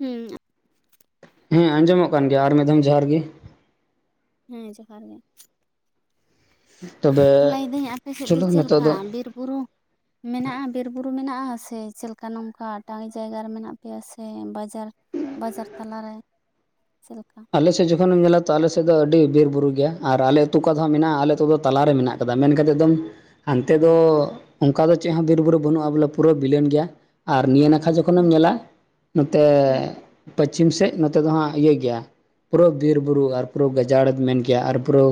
ᱦᱩᱸ ᱦᱮᱸ ᱟᱸᱡᱚᱢᱚᱜ ᱠᱟᱱ ᱜᱮᱭᱟ ᱟᱨ ᱢᱤᱫ ᱫᱚᱢ ᱡᱚᱦᱟᱨᱜᱤ ᱦᱮᱸ ᱡᱚᱦᱟᱨ ᱜᱮ ᱛᱚᱵᱮ ᱞᱟᱹᱭᱫᱟᱹᱧ ᱟᱯᱮ ᱥᱮᱫ ᱫᱚ ᱪᱚᱞᱚ ᱪᱮᱫ ᱱᱤᱛᱚᱜ ᱞᱮᱠᱟ ᱵᱤᱨᱼ ᱵᱩᱨᱩ ᱢᱮᱱᱟᱜᱼᱟ ᱵᱤᱨᱼᱵᱩᱨᱩ ᱢᱮᱱᱟᱜᱼᱟ ᱥᱮ ᱪᱮᱫᱞᱮᱠᱟ ᱱᱚᱝᱠᱟ ᱴᱟᱝᱤ ᱡᱟᱭᱜᱟ ᱨᱮ ᱢᱮᱱᱟᱜ ᱯᱮᱭᱟ ᱥᱮ ᱵᱟᱡᱟᱨ ᱵᱟᱡᱟᱨ ᱛᱟᱞᱟᱨᱮ ᱪᱮᱫᱞᱮᱠᱟ ᱟᱞᱮ ᱥᱮᱫ ᱡᱚᱠᱷᱚᱱᱮᱢ ᱧᱮᱞᱟ ᱛᱚ ᱟᱞᱮ ᱥᱮᱫ ᱫᱚ ᱟᱹᱰᱤ ᱵᱤᱨ ᱵᱩᱨᱩ ᱜᱮᱭᱟ ᱟᱨ ᱟᱞᱮ ᱟᱹᱛᱩ ᱚᱠᱟ ᱦᱟᱜ ᱢᱮᱱᱟᱜᱼᱟ ᱟᱞᱮ ᱟᱛᱩ ᱫᱚ ᱛᱟᱞᱟᱨᱮ ᱢᱮᱱᱟᱜᱼᱟ ᱟᱠᱟᱫᱟ ᱢᱮᱱ ᱠᱟᱛᱮᱫ ᱫᱚᱢ ᱦᱟᱱᱛᱮ ᱫᱚ ᱚᱱᱠᱟ ᱫᱚ ᱪᱮᱫ ᱦᱚᱸ ᱵᱤᱨᱵᱩᱨᱩ ᱵᱟᱹᱱᱩᱜᱼᱟ ᱵᱚᱞᱮ ᱯᱩᱨᱟᱹ ᱵᱤᱞᱚᱱ ᱜᱮᱭᱟ ᱟᱨ ᱱᱤᱭᱟᱹ ᱱᱟ ᱟᱨ ᱡᱚᱠᱷᱚᱱᱮᱢ ᱦᱩᱸ ᱧᱮᱞᱟ ᱱᱚᱛᱮ ᱦᱩᱸ ᱯᱚᱪᱷᱤᱢ ᱥᱮᱫ ᱱᱚᱛᱮ ᱫᱚ ᱦᱟᱸᱜ ᱤᱭᱟᱹ ᱜᱮᱭᱟ ᱯᱩᱨᱟᱹ ᱵᱤᱨ ᱵᱩᱨᱩ ᱟᱨ ᱯᱩᱨᱟᱹ ᱜᱟᱡᱟᱲ ᱢᱮᱱ ᱠᱮᱭᱟ ᱟᱨ ᱯᱩᱨᱟᱹ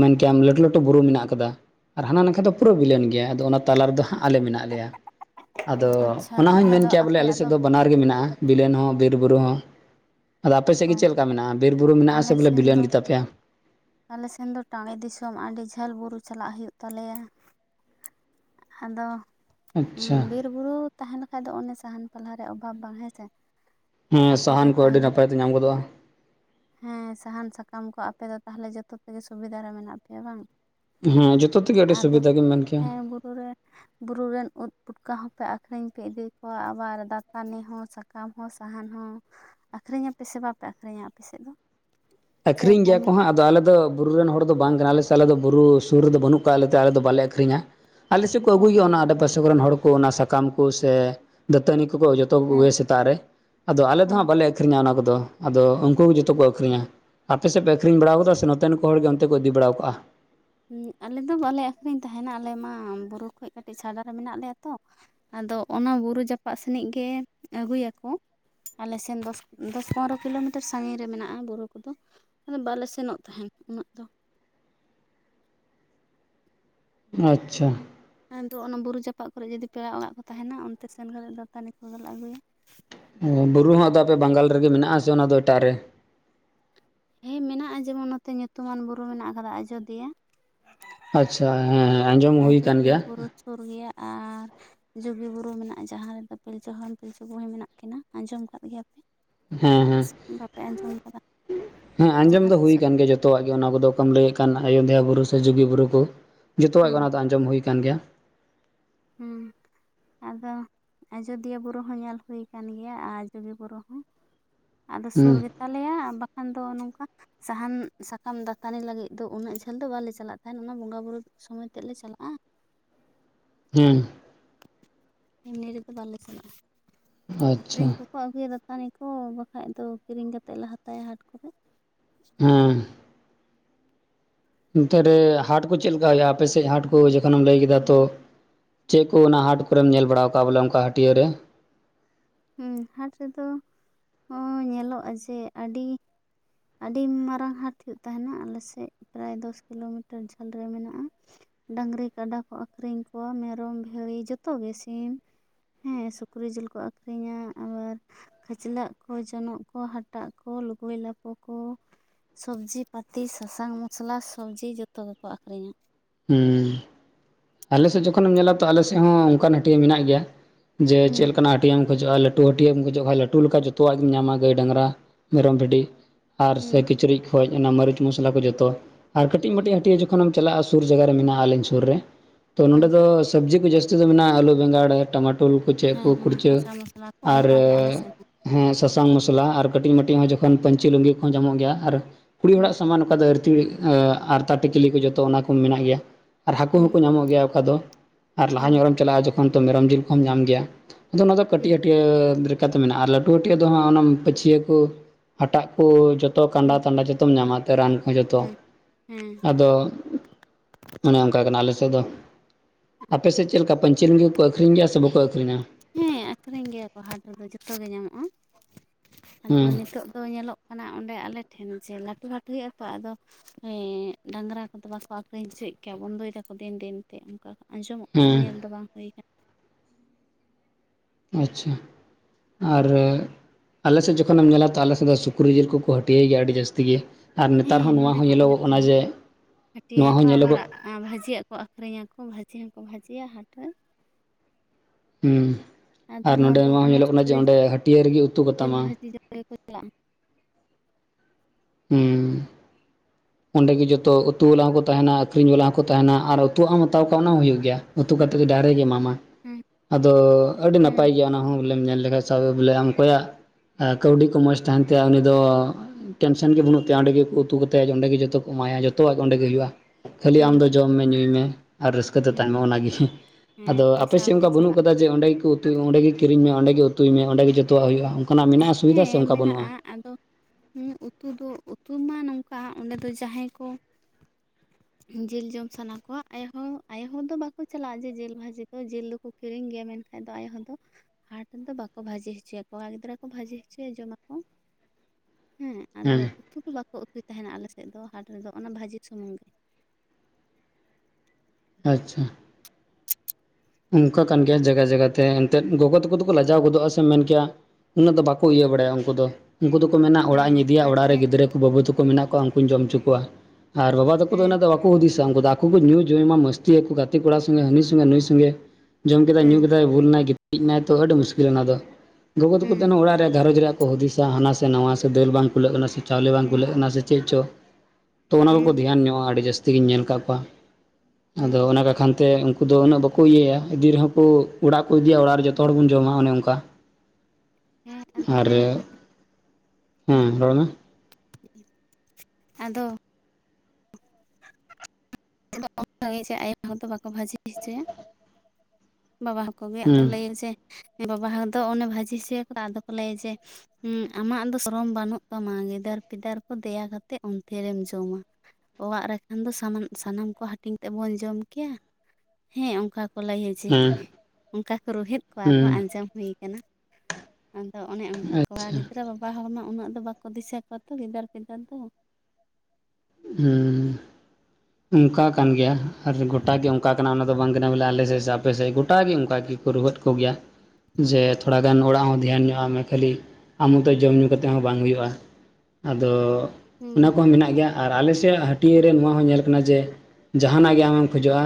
ᱢᱮᱱ ᱠᱮᱭᱟᱢ ᱞᱟᱹᱴᱩ ᱞᱟᱹᱴᱩ ᱵᱩᱨᱩ ᱢᱮᱱᱟᱜ ᱟᱠᱟᱫᱟ᱾ ᱟᱨ ᱦᱟᱱᱟ ᱱᱟᱝᱠᱷᱟ ᱫᱚ ᱯᱩᱨᱟᱹ ᱵᱤᱞᱚᱱ ᱜᱮᱭᱟ ᱟᱫᱚ ᱚᱱᱟ ᱛᱟᱞᱟ ᱨᱮᱫᱚ ᱦᱟᱸᱜ ᱟᱞᱮ ᱢᱮᱱᱟᱜ ᱞᱮᱭᱟ ᱟᱫᱚ ᱟᱪᱪᱷᱟ ᱚᱱᱟ ᱦᱚᱸᱧ ᱛᱟᱦᱚᱞᱮ ᱢᱮᱱ ᱫᱚ ᱠᱮᱭᱟ ᱵᱚᱞᱮ ᱟᱞᱮ ᱟᱯᱮᱭᱟᱜ ᱥᱮᱫ ᱫᱚ ᱵᱟᱱᱟᱨ ᱜᱮ ᱢᱮᱱᱟᱜᱼᱟ ᱵᱤᱞᱮᱱ ᱦᱚᱸ ᱵᱤᱨ ᱵᱩᱨᱩ ᱦᱚᱸ ᱟᱫᱚ ᱟᱯᱮ ᱥᱮᱫ ᱜᱮ ᱚ ᱪᱮᱫ ᱞᱮᱠᱟ ᱢᱮᱱᱟᱜᱼᱟ ᱵᱤᱨ ᱵᱩᱨᱩ ᱟᱞᱮ ᱢᱮᱱᱟᱜᱼᱟᱥᱮ ᱵᱚᱞᱮ ᱥᱮᱱ ᱵᱤᱞᱤᱭᱚᱱ ᱫᱚ ᱜᱮᱛᱟ ᱯᱮᱭᱟ ᱟᱞᱮ ᱥᱮᱱ ᱫᱚ ᱴᱟᱬᱮ ᱫᱤᱥᱚᱢ ᱟᱹᱰᱤ ᱡᱷᱟᱹᱞ ᱵᱩᱨᱩ ᱪᱟᱞᱟᱜ ᱦᱩᱭᱩᱜ ᱛᱟᱞᱮᱭᱟ ᱟᱫᱚ ᱵᱤᱨ ᱟᱪᱪᱷᱟ ᱵᱤᱨ ᱵᱩᱨᱩ ᱛᱟᱦᱮᱸ ᱞᱮᱱᱠᱟᱱ ᱫᱚ ᱚᱱᱮ ᱥᱟᱦᱟᱱ ᱯᱟᱞᱦᱟ ᱨᱮ ᱚᱵᱷᱟᱵᱽ ᱵᱟᱝ ᱦᱮᱸ ᱥᱮ ᱦᱮᱸ ᱥᱟᱦᱟᱱ ᱠᱚ ᱟᱹᱰᱤ ᱱᱟᱯᱟᱭ ᱛᱮ ᱧᱟᱢ ᱜᱚᱫᱚᱜᱼᱟ ᱦᱮᱸ ᱥᱟᱦᱟᱱ ᱥᱟᱠᱟᱢ ᱠᱚ ᱟᱯᱮ ᱫᱚ ᱛᱟᱦᱚᱞᱮ ᱡᱚᱛᱚ ᱛᱮᱜᱮ ᱥᱩᱵᱤᱫᱷᱟ ᱨᱮ ᱢᱮᱱᱟᱜ ᱯᱮᱭᱟ ᱵᱟᱝ ᱦᱮᱸ ᱡᱚᱛᱚ ᱛᱮᱜᱮ ᱟᱹᱰᱤ ᱥᱩᱵᱤᱫᱷᱟ ᱜᱮᱢ ᱢᱮᱱ ᱠᱮᱭᱟ ᱯᱩᱨᱮᱟ ᱵᱩᱨᱩ ᱨᱮᱱ ᱩᱫ ᱯᱩᱴᱠᱟ ᱦᱚᱸᱯᱮ ᱟᱹᱠᱷᱨᱤᱧ ᱯᱮ ᱤᱫᱤ ᱠᱚᱣᱟ ᱟᱵᱟᱨ ᱫᱟᱛᱟᱱᱤ ᱦᱚᱸ ᱥᱟ ᱥᱟᱠᱟᱢ ᱦᱚᱸ ᱥᱟᱦᱟᱱ ᱦᱚᱸ ᱟᱹᱠᱷᱨᱤᱧᱟᱯᱮ ᱥᱮ ᱵᱟᱯᱮ ᱟᱹᱠᱷᱨᱤᱧᱟ ᱟᱯᱮ ᱥᱮᱫ ᱫᱚ ᱥᱮ ᱟᱹᱠᱷᱨᱤᱧ ᱜᱮᱭᱟ ᱠᱟᱹᱢᱤ ᱠᱚ ᱦᱟᱸᱜ ᱟᱫᱚ ᱟᱞᱮ ᱫᱚ ᱵᱩᱨᱩ ᱨᱮᱱ ᱦᱚᱲ ᱫᱚ ᱵᱟᱝ ᱠᱟᱱᱟ ᱞᱮ ᱥᱮ ᱟᱞᱮᱫ ᱫᱚ ᱵᱩᱨᱩ ᱥᱩᱨ ᱨᱮᱫᱚ ᱵᱟᱹᱱᱩᱜ ᱠᱟᱜ ᱞᱮᱛᱮ ᱟᱞᱮ ᱫᱚ ᱵᱟᱞᱮ ᱟᱹᱠᱷᱨᱤᱧᱟ ᱟᱞᱮ ᱥᱮᱫ ᱠᱚ ᱚ ᱟᱹᱜᱩᱭ ᱜᱮᱭᱟ ᱚᱱᱟ ᱟᱰᱮᱯᱟᱥᱮ ᱠᱚᱨᱮᱱ ᱦᱚᱲ ᱠᱚ ᱚᱱᱟ ᱥᱟᱠᱟᱢ ᱠᱚ ᱥᱮ ᱫᱟᱹᱛᱟᱹᱱᱤ ᱠᱚᱠᱚ ᱡᱚᱛᱚ ᱦᱮᱸ ᱠᱚᱜᱮ ᱥᱮᱛᱟᱜ ᱨᱮ ᱟᱫᱚ ᱟᱞᱮ ᱫᱚ ᱦᱮᱸ ᱦᱟᱸᱜ ᱵᱟᱞᱮ ᱟᱹᱠᱷᱨᱤᱧᱟ ᱚᱱᱟ ᱠᱚᱫᱚ ᱟᱫᱚ ᱩᱱᱠᱩ ᱜᱮ ᱡᱚᱛᱚ ᱠᱚ ᱟᱹᱠᱷᱨᱤᱧᱟ ᱟᱯᱮ ᱥᱮᱫ ᱯᱮ ᱟᱹᱠᱷᱨᱤᱧ ᱵᱟᱲᱟᱣ ᱟᱠᱟᱫᱟ ᱥᱮ ᱱᱚᱛᱮᱱ ᱠᱚ ᱦᱚᱲ ᱜᱮ ᱚᱱᱛᱮ ᱠᱚ ᱤᱫᱤ ᱵᱟᱲᱟᱣ ᱠᱟᱜᱼᱟ᱾ ᱦᱩᱸ ᱟᱞᱮ ᱫᱚ ᱵᱟᱞᱮ ᱟᱹᱠᱷᱨᱤᱧ ᱛᱟᱦᱮᱱᱟ ᱟᱞᱮ ᱢᱟ ᱵᱩᱨᱩ ᱠᱷᱚᱱ ᱠᱟᱹᱴᱤᱡ ᱪᱷᱟᱰᱟ ᱨᱮ ᱢᱮᱱᱟᱜ ᱞᱮᱭᱟ ᱛᱚ ᱟᱫᱚ ᱚᱱᱟ ᱵᱩᱨᱩ ᱡᱟᱯᱟᱜ ᱥᱮᱱᱤᱡ ᱜᱮ ᱟᱹᱜᱩᱭᱟᱠᱚ ᱟᱞᱮ ᱥᱮᱱ ᱫᱚᱥ ᱫᱚᱥ ᱯᱚᱱᱨᱚ ᱠᱤᱞᱳᱢᱤᱴᱟᱨ ᱥᱟᱺᱜᱤᱧ ᱨᱮ ᱢᱮᱱᱟᱜᱼᱟ ᱵᱩᱨᱩ ᱠᱚᱫᱚ ᱟᱫᱚ ᱵᱟᱞᱮ ᱥᱮᱱᱚᱜ ᱛᱟᱦᱮᱱ ᱩᱱᱟᱹᱜ ᱫᱚ ᱟᱪᱪᱷᱟ ᱟᱫᱚ ᱚᱱᱟ ᱵᱩᱨᱩ ᱡᱟᱯᱟᱜᱽ ᱠᱚᱨᱮ ᱡᱩᱫᱤ ᱯᱮᱲᱟ ᱚᱲᱟᱜ ᱠᱚ ᱛᱟᱦᱮᱱᱟ ᱚᱱᱛᱮ ᱥᱮᱱ ᱠᱟᱛᱮ ᱫᱟᱹᱛᱟᱹᱱᱤ ᱠᱚ ᱫᱚᱞᱮ ᱟᱹᱜᱩᱭᱟ᱾ ᱚᱸ ᱵᱩᱨᱩ ᱦᱚᱸ ᱟᱫᱚ ᱟᱯᱮ ᱵᱟᱝᱜᱟᱞ ᱨᱮᱜᱮ ᱢᱮᱱᱟᱜ ᱥᱮ ᱚᱱᱟ ᱫᱚ ᱮᱴᱟᱜ ᱨᱮ ᱦᱮᱸ ᱢᱮᱱᱟᱜᱼᱟ ᱡᱮᱢᱚᱱ ᱱᱚᱛᱮ ᱧᱩᱛᱩᱢᱟᱱ ᱵᱩᱨᱩ ᱢᱮᱱᱟᱜ ᱟᱠᱟᱫᱟ ᱟᱡᱚᱫᱤᱭᱟᱹ ᱟᱪᱪᱷᱟ ᱦᱮᱸ ᱦᱮᱸ ᱟᱸᱡᱚᱢ ᱦᱩᱭ ᱠᱟᱱ ᱟᱡᱚᱫᱤᱭᱟᱹ ᱜᱮᱭᱟ ᱵᱩᱨᱩ ᱥᱩᱨ ᱜᱮᱭᱟ ᱟᱨ ᱡᱩᱜᱤ ᱵᱩᱨᱩ ᱢᱮᱱᱟᱜᱼᱟ ᱡᱟᱦᱟᱸ ᱨᱮᱫᱚ ᱯᱤᱞᱪᱩ ᱦᱟᱲᱟᱢ ᱯᱤᱞᱪᱩ ᱵᱩᱲᱦᱤ ᱢᱮᱱᱟᱜ ᱠᱤᱱᱟ ᱟᱸᱡᱚᱢ ᱟᱠᱟᱜ ᱜᱮᱭᱟ ᱯᱮ ᱦᱮᱸ ᱦᱮᱸ ᱦᱮᱸ ᱟᱸᱡᱚᱢ ᱡᱟᱦᱟᱸ ᱫᱚ ᱦᱩᱭ ᱛᱤᱥᱚᱜ ᱠᱟᱱ ᱜᱮᱭᱟ ᱡᱚᱛ ᱡᱚᱛᱚᱣᱟᱜ ᱜᱮ ᱚᱱᱟ ᱠᱚᱫᱚ ᱚᱠᱟᱢ ᱞᱟᱹᱭᱮᱫ ᱠᱟᱱ ᱟᱡᱳᱫᱤᱭᱟᱹ ᱵᱩᱨᱩ ᱥᱮ ᱡᱩᱜᱤ ᱵᱩᱨᱩ ᱠᱚ ᱡᱚᱛᱚᱣᱟᱜ ᱦᱮᱸ ᱜᱮ ᱚᱱᱟ ᱫᱚ ᱟᱸᱡᱚᱢ ᱦᱩᱭ ᱠᱟᱱ ᱜᱮᱭᱟ ᱦᱩᱸ ᱟᱫᱚ ᱟᱡᱳᱫᱤᱭᱟᱹ ᱵᱩᱨᱩ ᱦᱚᱸ ᱧᱮᱞ ᱦᱩᱭ ᱟᱠᱟᱱ ᱜᱮᱭᱟ ᱟᱨ ᱡᱩᱜᱤ ᱵᱩᱨᱩ ᱦᱚᱸ ᱟᱫᱚ ᱦᱩᱸ ᱥᱩᱨ ᱜᱮ ᱛᱟᱞᱮᱭᱟ ᱵᱟᱠᱷᱟᱱ ᱫᱚ ᱱᱚᱝᱠᱟ ᱥᱟᱦᱟᱱ ᱥᱟᱠᱟᱢ ᱫᱟᱛᱟᱱᱤ ᱞᱟᱹᱜᱤᱫ ᱫᱚ ᱩᱱᱟᱹᱜ ᱡᱷᱟᱹᱞ ᱫᱚ ᱵᱟᱞᱮ ᱪᱟᱞᱟᱜ ᱛᱟᱦᱮᱱ ᱚᱱᱟ ᱵᱚᱸᱜᱟᱼᱵᱩᱨᱩ ᱥᱚᱢᱚᱭ ᱛᱮᱫ ᱞᱮ ᱪᱟᱞᱟᱜᱼᱟ᱾ ᱦᱮᱸ ᱮᱢᱱᱤ ᱨᱮᱫᱚ ᱵᱟᱞᱮ ᱪᱟᱞᱟᱜᱼᱟ ᱟ. ᱟᱪᱪᱷᱟ ᱠᱷᱨᱤᱧ ᱠᱚ ᱠᱚ ᱟᱹᱜᱩᱭᱟ ᱫᱟᱛᱟᱱᱤ ᱠᱚ ᱵᱟᱠᱷᱟᱡ ᱫᱚ ᱠᱤᱨᱤᱧ ᱠᱟᱛᱮᱫ ᱞᱮ ᱦᱟᱛᱟᱭᱟ ᱦᱟᱴ ᱠᱚᱨᱮ ᱦᱮᱸ ᱮᱱᱛᱮ ᱨᱮ ᱦᱟᱴ ᱠᱚ ᱪᱮᱫ ᱞᱮᱠᱟ ᱦᱩᱭᱩᱜᱼᱟ ᱟᱯᱮᱥᱮᱫ ᱦᱟᱴ ᱠᱚ ᱡᱚᱠᱷᱚᱱᱮᱢ ᱞᱟᱹᱭ ᱠᱮᱫᱟ ᱛᱚ ᱪᱮᱫ ᱠᱚ ᱚᱱᱟ ᱦᱟᱴ ᱠᱚᱨᱮᱢ ᱧᱮᱞ ᱵᱟᱲᱟᱣ ᱟᱠᱟᱫᱼᱟ ᱵᱚᱞᱮ ᱚᱱᱠᱟ ᱦᱟᱹᱴᱭᱟᱹ ᱨᱮ ᱦᱩᱸ ᱦᱟᱴ ᱨᱮᱫᱚ ᱦᱚᱸ ᱧᱮᱞᱚᱜᱼᱟ ᱡᱮ ᱟᱹᱰᱤ ᱟᱹᱰᱤ ᱢᱟᱨᱟᱝ ᱦᱟᱴ ᱦᱩᱭᱩᱜ ᱛᱟᱦᱮᱱᱟ ᱟᱞᱮᱥᱮᱫ ᱨᱮᱭ ᱫᱚᱥ ᱠᱤᱞᱳᱢᱤᱴᱟᱨ ᱡᱷᱟᱹᱞ ᱨᱮ ᱢᱮᱱᱟᱜᱼᱟ᱾ ᱰᱟᱝᱨᱤ ᱠᱟᱰᱟ ᱠᱚ ᱟᱠᱷᱨᱤᱧ ᱠᱚᱣᱟ ᱢᱮᱨᱚᱢ ᱵᱷᱤᱲᱤ ᱡᱚᱛᱚ ᱜᱮ ᱥᱤᱢ ᱦᱮᱸ ᱥᱩᱠᱨᱤ ᱡᱤᱞ ᱠᱚ ᱟᱠ [inaudible] ᱟᱵᱟᱨ ᱠᱷᱟᱹᱪᱞᱟᱹᱜ ᱠᱚ ᱡᱚᱱᱚᱜ ᱠᱚ ᱦᱟᱴᱟᱜ ᱠᱚ ᱞᱩᱜᱽᱲᱤ ᱞᱟᱯᱚ ᱠᱚ ᱥᱚᱵᱽᱡᱤ ᱯᱟᱛᱤ ᱥᱟᱥᱟᱝ ᱢᱚᱥᱞᱟ ᱥᱚᱵᱽᱡᱤ ᱡᱚᱛᱚ ᱜᱮᱠᱚ ᱟᱠᱷᱨᱤᱧᱟ ᱦᱩᱸ, ᱟᱞᱮ ᱥᱮᱫ ᱡᱚᱠᱷᱚᱱᱮᱢ ᱧᱮᱞᱟ ᱛᱚ ᱟᱞᱮ ᱥᱮᱫ ᱦᱚᱸ ᱚᱱᱠᱟᱱ ᱦᱟᱹᱴᱤᱭᱟᱹ ᱢᱮᱱᱟᱜ ᱜᱮᱭᱟ᱾ ᱡᱮ ᱪᱮᱫ ᱦᱩᱸ ᱞᱮᱠᱟᱱᱟ ᱴᱟᱹᱭᱟᱹᱢ ᱠᱷᱚᱡᱚᱜᱼᱟ ᱞᱟᱹᱴᱩ ᱦᱟᱹᱴᱭᱟᱹ ᱠᱷᱚᱡᱚᱜ ᱠᱷᱟᱱ ᱞᱟᱹᱴᱩ ᱞᱮᱠᱟ ᱡᱚᱛᱚᱣᱟᱜ ᱜᱮ ᱧᱟᱢᱟ ᱜᱟᱹᱭ ᱰᱟᱝᱨᱟ ᱢᱮᱨᱚᱢ ᱵᱷᱤᱰᱤ ᱟᱨ ᱥᱮ ᱦᱩᱸ ᱠᱤᱪᱨᱤᱡ ᱠᱷᱚᱱ ᱢᱟᱹᱨᱤᱪ ᱢᱚᱥᱞᱟ ᱠᱚ ᱡᱚᱛᱚ ᱟᱨ ᱠᱟᱹᱴᱤᱡ ᱦᱮᱸ ᱢᱟᱹᱴᱤᱡ ᱦᱟᱹᱴᱭᱟᱹ ᱡᱚᱠᱷᱚᱱᱮᱢ ᱪᱟᱞᱟᱜᱼᱟ ᱥᱩᱨ ᱡᱟᱜᱟᱨᱮ ᱢᱮᱱᱟᱜᱼᱟ ᱟᱞᱤᱧ ᱥᱩᱨ ᱨᱮ ᱛᱚ ᱱᱚᱰᱮ ᱦᱮᱸ ᱫᱚ ᱥᱚᱵᱽᱡᱤ ᱠᱚ ᱡᱟᱹᱥᱛᱤ ᱫᱚ ᱢᱮᱱᱟᱜᱼᱟ ᱟᱹᱞᱩ ᱵᱮᱸᱜᱟᱲ ᱴᱟᱢᱟᱴᱳᱞ ᱠᱩᱪᱟᱹ ᱦᱮᱸ ᱠᱚ ᱦᱮᱸ ᱠᱩᱲᱪᱟᱹ ᱠᱟᱸᱪᱟ ᱢᱚᱥᱞᱟ ᱠᱚ ᱟᱨ ᱚᱱᱠᱟᱜᱮ ᱟᱞᱮ ᱥᱮᱱ ᱦᱮᱸ ᱥᱟᱥᱟᱝ ᱢᱚᱥᱞᱟ ᱟᱨ ᱠᱟᱹᱴᱤᱡ ᱢᱟᱹᱴᱤᱡ ᱦᱚᱸ ᱡᱚᱠᱷᱚᱱ ᱯᱟᱹᱧᱪᱤ ᱞᱩᱸᱜᱤ ᱠᱚᱦᱚᱸ ᱧᱟᱢᱚᱜ ᱜᱮᱭᱟ ᱟᱨ ᱠᱩᱲᱤ ᱦᱩᱸ ᱦᱚᱲᱟᱜ ᱥᱟᱢᱟᱱ ᱚᱠᱟ ᱫᱚ ᱟᱨᱛᱤ ᱟᱨᱛᱟ ᱴᱤᱠᱞᱤ ᱠᱚ ᱡᱚᱛᱚ ᱚᱱᱟ ᱠᱚ ᱢᱮᱱᱟᱜ ᱜᱮᱭᱟ ᱟᱨ ᱦᱟᱹᱠᱩ ᱦᱩᱸ ᱦᱚᱸᱠᱚ ᱧᱟᱢᱚᱜ ᱜᱮᱭᱟ ᱚᱠᱟ ᱫᱚ ᱟᱨ ᱞᱟᱦᱟ ᱦᱩᱸ ᱧᱚᱜ ᱨᱮᱢ ᱪᱟᱞᱟᱜᱼᱟ ᱡᱚᱠᱷᱚᱱ ᱛᱚ ᱢᱮᱨᱚᱢ ᱡᱤᱞ ᱠᱚᱦᱚᱸᱢ ᱧᱟᱢ ᱜᱮᱭᱟ ᱟᱫᱚ ᱚᱱᱟ ᱫᱚ ᱠᱟᱹᱴᱤᱡ ᱦᱩᱸ ᱦᱟᱹᱴᱭᱟᱹ ᱠᱟᱛᱮ ᱢᱮᱱᱟᱜᱼᱟ ᱞᱟᱹᱴᱩ ᱦᱟᱹᱴᱭᱟ ᱫᱚ ᱦᱟᱜ ᱚᱱᱟ ᱯᱟᱹᱪᱷᱭᱟᱹ ᱠᱚ ᱦᱟᱴᱟᱜ ᱠᱚ ᱡᱚᱛ ᱡᱚᱛᱚ ᱠᱟᱸᱰᱟ ᱦᱩᱸ ᱛᱟᱱᱰᱟ ᱡᱚᱛᱚᱢ ᱧᱟᱢᱟ᱾ ᱛᱮᱨᱟᱱ ᱠᱚᱦᱚᱸ ᱡᱚᱛᱚ ᱦᱩᱸ ᱦᱮᱸ ᱟᱫᱚ ᱚᱱᱮ ᱚᱱᱠᱟ ᱠᱟᱱᱟ ᱟᱞᱮ ᱥᱮᱫ ᱾ ᱫᱚ ᱟᱯᱮ ᱥᱮᱫ ᱪᱮᱫ ᱞᱮᱠᱟ ᱯᱟᱹᱧᱪᱤ ᱞᱩᱸᱜᱤ ᱠᱚ ᱟᱹᱠᱷᱨᱤᱧ ᱜᱮᱭᱟ ᱥᱮ ᱵᱟᱠᱚ ᱟᱹᱠᱷᱨᱤᱧᱟ? ᱦᱮᱸ ᱟᱠᱷᱨᱤᱧ ᱜᱮᱭᱟ ᱠᱚ ᱦᱟᱴ ᱨᱮᱫᱚ ᱡᱚᱛᱚ ᱜᱮ ᱧᱟᱢᱚᱜᱼᱟ᱾ ᱟᱫᱚ ᱦᱮᱸ ᱱᱤᱛᱚᱜ ᱫᱚ ᱧᱮᱞᱚᱜ ᱚᱱᱟ ᱚᱸᱰᱮ ᱟᱞᱮ ᱴᱷᱮᱱ ᱡᱮ ᱞᱟᱹᱴᱩ ᱞᱟᱴᱷᱩ ᱦᱩᱭᱩᱜᱼᱟ᱾ ᱛᱚ ᱟᱫᱚ ᱦᱮᱸ ᱰᱟᱝᱨᱟ ᱠᱚᱫᱚ ᱵᱟᱠᱚ ᱟᱠᱷᱨᱤᱧ ᱦᱚᱪᱚᱭᱮᱫ ᱠᱚᱭᱟ ᱵᱚᱱᱫᱚᱭ ᱫᱟᱠᱚ ᱫᱤᱱ ᱫᱤᱱ ᱛᱮ ᱚᱱᱠᱟ᱾ ᱟᱸᱡᱚᱢᱚᱜ ᱠᱟᱱᱟ ᱦᱮᱸ ᱧᱮᱞ ᱫᱚ ᱵᱟᱝ ᱦᱩᱭ ᱟᱠᱟᱱᱟ ᱾ ᱟᱪᱪᱷᱟ ᱟᱨ ᱟᱞᱮ ᱥᱮᱫ ᱡᱚᱠᱷᱚᱱᱮᱢ ᱧᱮᱞᱟ ᱛᱚ ᱟᱞᱮ ᱥᱮᱫ ᱫᱚ ᱥᱩᱠᱨᱤ ᱡᱤᱞ ᱠᱚᱠᱚ ᱦᱟᱹᱴᱤᱭᱟᱭ ᱜᱮᱭᱟ ᱟᱹᱰᱤ ᱡᱟᱹᱥᱛᱤ ᱜᱮ᱾ ᱟᱨ ᱱᱮᱛᱟᱨ ᱦᱮᱸ ᱦᱚᱸ ᱱᱚᱣᱟ ᱱᱚᱸᱰᱮ ᱦᱚᱸ ᱟᱞᱮ ᱧᱮᱞᱚᱜᱚᱜ ᱠᱟᱱᱟ, ᱴᱷᱮᱱ ᱡᱮ ᱱᱚᱣᱟ ᱦᱚᱸ ᱧᱮᱞᱚᱜᱚᱜ ᱟᱨ ᱵᱷᱟᱹᱡᱤᱭᱟᱜ ᱠᱚ ᱟᱹᱠᱷᱨᱤᱧᱟ ᱠᱚ ᱵᱷᱟᱹᱡᱤ ᱦᱚᱸᱠᱚ ᱵᱷᱟᱹᱡᱤᱭᱟ ᱦᱟᱴ ᱨᱮ ᱾ ᱦᱩᱸ ᱟᱨ ᱟᱫᱚᱢ ᱦᱚᱲ ᱱᱚᱰᱮ ᱫᱚ ᱱᱚᱣᱟ ᱦᱚᱸ ᱚᱱᱟ ᱧᱮᱞᱚᱜ ᱠᱟᱱᱟ ᱡᱮ ᱥᱩᱠᱨᱤ ᱚᱸᱰᱮ ᱦᱟᱹᱴᱤᱭᱟᱹ ᱨᱮᱜᱮ ᱩᱛᱩ ᱠᱟᱛᱟᱢᱟ᱾ [unintelligible] ᱚᱭᱤᱠᱩᱢ ᱪᱟᱞᱟ ᱦᱩᱸ ᱾ ᱚᱸᱰᱮ ᱜᱮ ᱡᱚᱛᱚ ᱩᱛᱩ ᱵᱟᱞᱟ ᱦᱚᱸ ᱠᱚ ᱛᱟᱦᱮᱱᱟ, ᱟᱠᱷᱨᱤᱧ ᱵᱟᱞᱟ ᱦᱚᱸᱠᱚ ᱛᱟᱦᱮᱱᱟ ᱟᱨ ᱩᱛᱩᱣᱟᱜ ᱮᱢ ᱦᱟᱛᱟᱣ ᱠᱷᱟᱱ ᱚᱱᱟ ᱦᱚᱸ ᱦᱳᱭ ᱜᱮᱭᱟ᱾ ᱩᱛᱩ ᱦᱮᱸ ᱠᱟᱛᱮ ᱫᱚ ᱰᱟᱦᱨᱮ ᱜᱮ ᱮᱢᱟᱼᱢᱟ ᱦᱮᱸ ᱟᱫᱚ ᱟᱹᱰᱤ ᱦᱮᱸ ᱱᱟᱯᱟᱭ ᱜᱮ ᱚᱱᱟ ᱦᱚᱸ ᱵᱚᱞᱮᱢ ᱧᱮᱞ ᱞᱮᱠᱷᱟᱱ [unintelligible] ᱵᱚᱞᱮ ᱟᱢ ᱠᱚᱭᱟᱜ, ᱠᱟᱹᱣᱰᱤ ᱠᱚ ᱢᱚᱸᱡᱽ ᱛᱟᱦᱮᱱ ᱛᱟᱭᱟ ᱩᱱᱤ ᱫᱚ ᱴᱮᱱᱥᱮᱱ ᱜᱮ ᱵᱟᱹᱱᱩᱜ ᱛᱟᱭᱟ ᱚᱸᱰᱮ ᱜᱮᱠᱚ ᱩᱛᱩ ᱠᱟᱛᱮ ᱚᱸᱰᱮ ᱜᱮ ᱡᱚᱛᱚ ᱠᱚ ᱮᱢᱟᱭᱟ ᱡᱚᱛᱚᱣᱟᱜ ᱚᱸᱰᱮᱜ ᱜᱮ ᱦᱩᱭᱩᱜᱼᱟ ᱠᱷᱟᱹᱞᱤ ᱟᱢ ᱫᱚ ᱡᱚᱢ ᱢᱮ ᱧᱩᱭ ᱢᱮ᱾ ᱟᱨ ᱨᱟᱹᱥᱠᱟᱹ ᱛᱮ ᱦᱮᱸ ᱛᱟᱦᱮᱢᱟ ᱚᱱᱟᱜᱮ᱾ ᱦᱮᱸ ᱟᱫᱚ ᱟᱯᱮ ᱯᱚᱭᱥᱟ ᱥᱮᱫ ᱚᱱᱠᱟ ᱟᱛᱮᱫ ᱵᱟᱹᱱᱩᱜ ᱪᱟᱞᱟᱜ ᱠᱟᱫᱟ? ᱡᱮ ᱚᱸᱰᱮ ᱜᱮᱠᱚ ᱩᱛᱩᱭ ᱚᱸᱰᱮ ᱜᱮ ᱠᱤᱨᱤᱧ ᱢᱮ ᱚᱸᱰᱮ ᱜᱮ ᱩᱛᱩᱭ ᱢᱮ ᱚᱸᱰᱮ ᱜᱮ ᱡᱚᱛᱚᱜᱼᱟ ᱦᱩᱭᱩᱜᱼᱟ ᱚᱱᱠᱟ ᱢᱮᱱᱟᱜᱼᱟ? ᱥᱩᱵᱤᱫᱷᱟ ᱥᱮ ᱦᱮᱸ ᱚᱱᱠᱟ ᱵᱟᱹᱱᱩᱜᱼᱟ ᱢᱮᱱᱟᱜᱼᱟ, ᱟᱫᱚ ᱦᱮᱸ ᱩᱛᱩ ᱫᱚ ᱩᱛᱩ ᱢᱟ ᱱᱚᱝᱠᱟ ᱚᱸᱰᱮ ᱫᱚ ᱡᱟᱦᱟᱸᱭ ᱠᱚ ᱦᱮᱸ ᱡᱤᱞ ᱡᱚᱢ ᱥᱟᱱᱟ ᱠᱚᱣᱟ᱾ ᱟᱭᱳ ᱦᱚᱲ ᱟᱭᱳ ᱦᱚᱲ ᱫᱚ ᱵᱟᱠᱚ ᱪᱟᱞᱟᱜᱼᱟ ᱡᱮ ᱡᱤᱞ ᱵᱷᱟᱹᱡᱤ ᱠᱚ ᱡᱤᱞ ᱫᱚᱠᱚ ᱠᱤᱨᱤᱧ ᱜᱮᱭᱟ ᱢᱮᱱᱠᱷᱟᱱ ᱫᱚ ᱟᱭᱳ ᱦᱚᱲ ᱫᱚ ᱦᱟᱴ ᱨᱮ ᱫᱚ ᱵᱟᱠᱚ ᱵᱷᱟᱹᱡᱤ ᱦᱚᱪᱚᱭᱟ ᱠᱚ᱾ ᱠᱚᱲᱟ ᱜᱤᱫᱽᱨᱟᱹ ᱵᱷᱟᱹᱡᱤ ᱦᱚᱪᱚᱭᱟ ᱡᱚᱢᱟ ᱠᱚ, ᱦᱮᱸ᱾ ᱟᱫᱚ ᱦᱮᱸ, ᱩᱛᱩ ᱫᱚ ᱵᱟᱠᱚ ᱩᱛᱩᱭ ᱛᱟᱦᱮᱸᱱᱟ ᱟᱞᱮ ᱥᱮᱫ ᱫᱚ ᱦᱟᱴ ᱨᱮᱫᱚ ᱚᱱᱟ ᱵᱷᱟᱹᱡᱤ ᱥᱩᱢᱩᱝ ᱜᱮ᱾ ᱟᱪᱪᱷᱟ, ᱚᱱᱠᱟ ᱠᱟᱱ ᱜᱮᱭᱟ ᱡᱟᱜᱟ ᱡᱟᱜᱟ ᱛᱮ ᱮᱱᱛᱮ ᱫᱚ ᱜᱚᱜᱚ ᱛᱟᱠᱚ ᱫᱚᱠᱚ ᱞᱟᱡᱟᱣ ᱜᱚᱫᱚᱜᱼᱟ ᱥᱮ ᱢᱮᱱ ᱠᱮᱭᱟ᱾ ᱩᱱᱟᱹᱜ ᱫᱚ ᱵᱟᱠᱚ ᱤᱭᱟᱹ ᱵᱟᱲᱟᱭᱟ ᱩᱱᱠᱩ ᱫᱚ᱾ ᱩᱱᱠᱩ ᱫᱚᱠᱚ ᱢᱮᱱᱟ ᱚᱲᱟᱜ ᱤᱧ ᱦᱮᱸ ᱤᱫᱤᱭᱟ ᱦᱟᱴ ᱚᱲᱟᱜ ᱨᱮ ᱜᱤᱫᱽᱨᱟᱹ ᱠᱚ ᱵᱟᱹᱵᱩ ᱛᱟᱠᱚ ᱢᱮᱱᱟᱜ ᱠᱚᱣᱟ ᱩᱱᱠᱩᱧ ᱡᱚᱢ ᱦᱚᱪᱚ ᱠᱚᱣᱟ ᱟᱨ ᱵᱟᱵᱟ ᱟᱫᱟᱱ ᱠᱚᱫᱚ ᱦᱮᱸ ᱚᱱᱟ ᱫᱚ ᱵᱟᱠᱚ ᱦᱩᱫᱤᱥᱟ᱾ ᱩᱱᱠᱩ ᱫᱚ ᱟᱠᱚ ᱠᱚ ᱧᱩ ᱡᱚᱢ ᱢᱟ ᱢᱚᱥᱛᱤ ᱟᱠᱚ ᱜᱟᱛᱮ ᱠᱚᱲᱟ ᱥᱚᱸᱜᱮ ᱦᱟᱹᱱᱤ ᱥᱚᱸᱜᱮ ᱱᱩᱭ ᱥᱚᱸᱜᱮ ᱡᱚᱢ ᱠᱮᱫᱟᱭ ᱧᱩ ᱦᱮᱸ ᱠᱮᱫᱟᱭ ᱵᱷᱩᱞ ᱮᱱᱟᱭ ᱜᱤᱛᱤᱡ ᱮᱱᱟᱭ ᱛᱚ ᱟᱹᱰᱤ ᱢᱩᱥᱠᱤᱞ ᱚᱱᱟ ᱫᱚ᱾ ᱜᱚᱜᱚ ᱛᱚᱠᱚ ᱫᱚ ᱦᱮᱸ ᱛᱟᱦᱮᱱᱟ ᱚᱲᱟᱜ ᱨᱮ ᱜᱷᱟᱨᱚᱸᱧᱡᱽ ᱨᱮᱭᱟᱜ ᱦᱩᱫᱤᱥᱟ ᱦᱟᱱᱟ ᱥᱮ ᱱᱟᱣᱟ ᱥᱮ ᱫᱟᱹᱞ ᱵᱟᱝ ᱠᱩᱞᱟᱹᱜ ᱠᱟᱱᱟ ᱥᱮ ᱪᱟᱣᱞᱮ ᱵᱟᱝ ᱦᱮᱸ ᱠᱩᱞᱟᱹᱜ ᱠᱟᱱᱟ ᱥᱮ ᱪᱮᱫ ᱪᱚ ᱛᱚ ᱚᱱᱟ ᱠᱚᱠᱚ ᱦᱮᱸ ᱫᱷᱮᱭᱟᱱ ᱧᱚᱜᱼᱟ ᱟᱹᱰᱤ ᱡᱟᱹᱥᱛᱤ ᱜᱤᱧ ᱧᱮᱞ ᱟᱠᱟᱫ ᱠᱚᱣᱟ ᱾ ᱦᱮᱸ ᱟᱫᱚ ᱚᱱᱟ ᱠᱚ ᱠᱷᱟᱱ ᱛᱮ ᱩᱱᱠᱩ ᱫᱚ ᱩᱱᱟᱹᱜ ᱵᱟᱠᱚ ᱠᱚ ᱤᱭᱟᱹᱭᱟ ᱤᱫᱤ ᱨᱮᱦᱚᱸ ᱠᱚ ᱚᱲᱟᱜ ᱠᱚ ᱤᱫᱤᱭᱟ ᱚᱲᱟᱜ ᱨᱮ ᱡᱚᱛᱚ ᱦᱚᱲ ᱵᱚᱱ ᱡᱚᱢᱟ ᱚᱱᱮ ᱚᱱᱠᱟ ᱾ ᱦᱮᱸ ᱟᱫᱚ ᱟᱨ ᱞᱟᱹᱭᱟᱠᱚ ᱧᱮᱞ ᱦᱮᱸ ᱨᱚᱲ ᱢᱮ ᱟᱫᱚ [unintelligible] ᱟᱭᱳ ᱦᱚᱲ ᱠᱚ ᱵᱟᱠᱚ ᱵᱷᱟᱹᱡᱤ ᱦᱚᱪᱚᱭᱟ? ᱵᱟᱵᱟ ᱦᱚᱲᱠᱚᱜᱮ ᱟᱫᱚ ᱦᱩᱸ ᱞᱟᱹᱭᱟ ᱡᱮ ᱵᱟᱵᱟ ᱦᱚᱲ ᱫᱚ ᱚᱱᱮ ᱵᱷᱟᱹᱡᱤ ᱦᱚᱪᱭᱟ ᱠᱚ᱾ ᱟᱫᱚ ᱠᱚ ᱞᱟᱹᱭᱟ ᱡᱮ ᱦᱚᱸ ᱟᱢᱟᱜ ᱫᱚ ᱥᱚᱨᱚᱢ ᱵᱟᱹᱱᱩᱜ ᱛᱟᱢᱟ᱾ ᱜᱤᱫᱟᱹᱨ ᱯᱤᱫᱟᱹᱨ ᱠᱚ ᱫᱮᱭᱟ ᱠᱟᱛᱮ ᱚᱱᱛᱮ ᱨᱮᱢ ᱡᱚᱢᱟ᱾ ᱚᱲᱟᱜ ᱨᱮ ᱠᱷᱟᱱ ᱫᱚ ᱥᱟᱢᱟᱱ ᱥᱟᱱᱟᱢ ᱠᱚ ᱦᱟᱹᱴᱤᱧ ᱛᱮ ᱵᱚᱱ ᱡᱚᱢ ᱠᱮᱭᱟ ᱦᱮᱸ ᱚᱱᱠᱟ ᱠᱚ ᱞᱟᱹᱭ ᱾ ᱡᱮ ᱦᱩᱸ ᱚᱱᱠᱟ ᱠᱚ ᱨᱳᱦᱮᱫ ᱠᱚᱣᱟ ᱠᱚ ᱦᱩᱸ ᱟᱸᱡᱚᱢ ᱦᱩᱭ ᱟᱠᱟᱱᱟ᱾ ᱟᱫᱚ ᱚᱱᱮ ᱚᱱᱠᱟ ᱠᱚᱲᱟ ᱜᱤᱫᱽᱨᱟᱹ ᱵᱟᱵᱩ ᱵᱟᱵᱟ ᱦᱚᱲ ᱢᱟ ᱩᱱᱟᱹᱜ ᱫᱚ ᱵᱟᱠᱚ ᱫᱤᱥᱟᱹ ᱠᱚᱣᱟ ᱛᱚ ᱜᱤᱫᱟᱹᱨ ᱯᱤᱫᱟᱹᱨ ᱫᱚ᱾ ᱦᱩᱸ, ᱚᱱᱠᱟ ᱠᱟᱱ ᱜᱮᱭᱟ ᱟᱨ ᱜᱚᱴᱟ ᱜᱮ ᱚᱱ ᱚᱱᱠᱟ ᱠᱟᱱᱟ ᱚᱱᱟ ᱫᱚ ᱵᱟᱝ ᱠᱟᱱᱟ ᱵᱚᱞᱮ ᱟᱞᱮ ᱥᱮᱫ ᱥᱮ ᱟᱯᱮ ᱥᱮᱫ ᱜᱚᱴᱟ ᱜᱮ ᱚᱱᱠᱟ ᱜᱮᱠᱚ ᱨᱩᱣᱮᱫ ᱠᱚ ᱜᱮᱭᱟ ᱾ ᱡᱮ ᱛᱷᱚᱲᱟ ᱜᱟᱱ ᱚᱲᱟᱜ ᱦᱚᱸ ᱫᱷᱮᱭᱟᱱ ᱧᱚᱜᱼᱟ ᱢᱮ ᱠᱷᱟᱹᱞᱤ ᱟᱢ ᱢᱚᱛᱚ ᱡᱚᱢ ᱧᱩ ᱠᱟᱛᱮ ᱦᱚᱸ ᱵᱟᱝ ᱦᱩᱭᱩᱜᱼᱟ ᱟᱫᱚ ᱚᱱᱟ ᱦᱩᱸ ᱠᱚᱦᱚᱸ ᱢᱮᱱᱟᱜ ᱜᱮᱭᱟ ᱟᱨ ᱟᱞᱮᱥᱭᱟᱜ ᱦᱟᱹᱴᱤᱭᱟᱹ ᱨᱮ ᱱᱚᱣᱟ ᱦᱚᱸ ᱧᱮᱞ ᱠᱟᱱᱟ ᱡᱮ ᱡᱟᱦᱟᱱᱟᱜ ᱜᱮ ᱟᱢᱮᱢ ᱠᱷᱚᱡᱚᱜᱼᱟ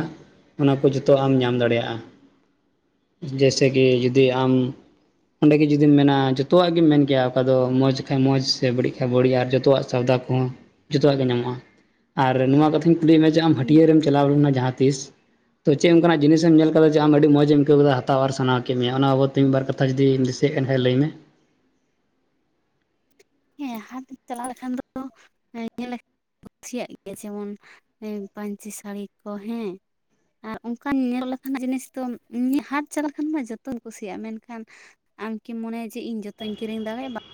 ᱚᱱᱟ ᱠᱚ ᱡᱚᱛᱷᱚ ᱟᱢ ᱧᱟᱢ ᱫᱟᱲᱮᱭᱟᱜᱼᱟ ᱡᱮᱭᱥᱮ ᱠᱤ ᱡᱩᱫᱤ ᱟᱢ ᱚᱸᱰᱮ ᱜᱮ ᱡᱩᱫᱤᱢ ᱢᱮᱱᱟ ᱡᱚᱛᱚᱣᱟᱜ ᱜᱮᱢ ᱢᱮᱱ ᱠᱮᱭᱟ ᱚᱠᱟ ᱫᱚ ᱢᱚᱡᱽ ᱠᱷᱟᱡ ᱢᱚᱡᱽ ᱥᱮ ᱵᱟᱹᱲᱤᱡ ᱠᱷᱟᱱ ᱵᱟᱹᱲᱤᱡ ᱟᱨ ᱡᱚᱛᱚᱣᱟᱜ ᱥᱟᱹᱣᱫᱟ ᱠᱚᱦᱚᱸ ᱡᱚᱛᱚᱣᱟᱜ ᱜᱮ ᱧᱟᱢᱚᱜᱼᱟ ᱟᱨ ᱱᱚᱣᱟ ᱠᱟᱛᱷᱟᱧ ᱠᱩᱞᱤᱭᱮᱫ ᱢᱮᱭᱟ ᱡᱮ ᱟᱢ ᱦᱩᱸ ᱦᱟᱹᱴᱭᱟᱹ ᱨᱮᱢ ᱪᱟᱞᱟᱣ ᱞᱮᱱᱟ ᱡᱟᱦᱟᱸ ᱛᱤᱥ? ᱛᱚ ᱪᱮᱫ ᱚᱱᱠᱟᱱᱟᱜ ᱡᱤᱱᱤᱥ ᱮᱢ ᱧᱮᱞ ᱟᱠᱟᱫᱟ ᱡᱮ ᱟ ᱟᱹᱰᱤ ᱢᱚᱡᱽ ᱮᱢ ᱟᱹᱭᱠᱟᱹᱣ ᱠᱮᱫᱟ ᱦᱟᱛᱟᱣ ᱟᱨ ᱥᱟᱱᱟᱣ ᱠᱮᱫ ᱢᱮᱭᱟ ᱚᱱᱟ ᱵᱟᱵᱚᱛ ᱢᱤᱫ ᱵᱟᱨ ᱠᱟᱛᱷᱟ ᱡᱩᱫᱤᱢ ᱫᱤᱥᱟᱹᱭᱮᱫ ᱠᱷᱟᱱ ᱞᱟᱹᱭ ᱢᱮ? ᱦᱮᱸ ᱦᱟᱴ ᱪᱟᱞᱟᱣ ᱞᱮᱠᱷᱟᱱ ᱫᱚ ᱧᱮᱞᱼᱼ ᱠᱩᱥᱤᱭᱟᱜ ᱜᱮᱭᱟ ᱡᱮᱢᱚᱱ ᱯᱟᱹᱧᱪᱤ ᱥᱟᱹᱲᱤ ᱠᱚ ᱦᱮᱸ ᱟᱨ ᱚᱱᱠᱟᱱ ᱧᱮᱞ ᱞᱮᱠᱷᱟᱱ ᱡᱤᱱᱤᱥ ᱫᱚ ᱮᱢᱱᱤ ᱦᱟᱴ ᱪᱟᱞᱟ ᱞᱮᱠᱷᱟᱱ ᱢᱟ ᱡᱚᱛᱚᱧ ᱠᱩᱥᱤᱭᱟᱜᱼᱟ ᱢᱮᱱᱠᱷᱟᱱ ᱟᱢᱠᱤᱢ ᱢᱚᱱᱮᱭᱟ ᱡᱮ ᱤᱧ ᱡᱚᱛᱚᱧ ᱠᱤᱨᱤᱧ ᱫᱟᱲᱮᱭᱟᱜᱼᱟ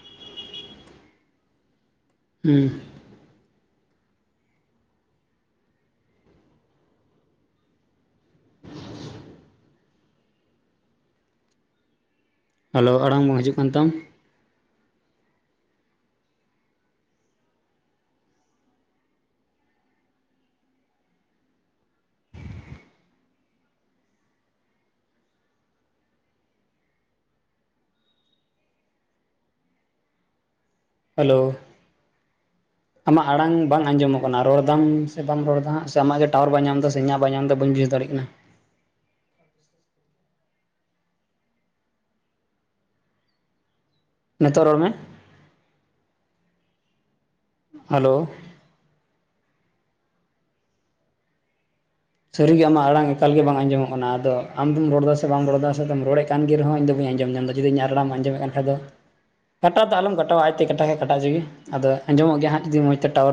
[unintelligible] [unintelligible] ᱦᱮᱞᱳ ᱟᱲᱟᱝ ᱵᱟᱝ ᱦᱤᱡᱩᱜ ᱠᱟᱱ ᱛᱟᱢ ᱦᱮᱞᱳ ᱟᱢᱟᱜ ᱟᱲᱟᱝ ᱵᱟᱝ ᱟᱸᱡᱚᱢᱚᱜ ᱠᱟᱱᱟ ᱨᱚᱲᱫᱟᱢ ᱥᱮ ᱵᱟᱢ ᱨᱚᱲᱫᱟ ᱦᱸᱟᱜ ᱥᱮ ᱟᱢᱟᱜ ᱜᱮ ᱴᱟᱣᱟᱨ ᱵᱟᱭ ᱧᱟᱢᱫᱟ ᱥᱮ ᱤᱧᱟᱹᱜ ᱵᱟᱭ ᱧᱟᱢᱫᱟ ᱵᱟᱹᱧ ᱵᱩᱡᱟᱹ ᱫᱟᱲᱮᱭᱟᱜ ᱠᱟᱱᱟ ᱱᱤᱛᱚᱜ ᱨᱚᱲ ᱢᱮ ᱦᱮᱞᱳ ᱥᱟᱹᱨᱤᱜᱮ ᱟᱟᱜ ᱟᱲᱟᱝ ᱮᱠᱟᱞ ᱜᱮ ᱵᱟᱝ ᱟᱸᱡᱚᱢᱚᱜ ᱠᱟᱱᱟ ᱟᱫᱚ ᱟᱢᱫᱚᱢ ᱨᱚᱲ ᱮᱫᱟᱥ ᱥᱮ ᱵᱟᱢ ᱨᱚᱲ ᱮᱫᱟ ᱥᱮ ᱨᱚᱲᱮᱫᱼᱼ ᱠᱟᱱ ᱜᱮ ᱨᱮᱦᱚᱸᱧ ᱤᱧᱫᱚ ᱟᱸᱡᱚᱢ ᱧᱟᱢᱫᱟ ᱡᱩᱫᱤ ᱤᱧ ᱨᱚᱲᱮᱢ ᱟᱸᱡᱚᱢᱮᱫ ᱠᱷᱟᱱ ᱫᱚ ᱠᱟᱴᱟ ᱫᱚ ᱟᱞᱚᱢ ᱠᱟᱴᱟᱣᱟ ᱟᱭᱛᱮ ᱠᱟᱴᱟ ᱠᱷᱟᱭ ᱠᱟᱴᱟᱪᱚ ᱜᱮ ᱟᱫᱚ ᱟᱸᱡᱚᱢᱚᱜ ᱜᱮ ᱦᱟᱸᱜ ᱡᱩᱫᱤ ᱢᱚᱡᱽ ᱛᱮ ᱴᱟᱣᱟᱨ